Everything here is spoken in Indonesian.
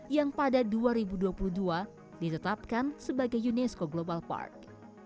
yang pada dua ribu dua puluh dua ditetapkan sebagai unesco global park